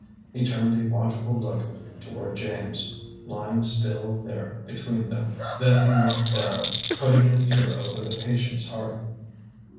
He turned a watchful look toward James, lying still there between them; then he knelt down, putting an ear over the patient's heart.